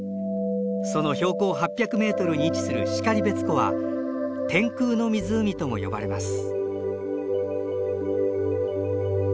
その標高８００メートルに位置する然別湖は天空の湖とも呼ばれます。